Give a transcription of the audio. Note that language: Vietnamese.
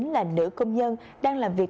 là nữ công nhân đang làm việc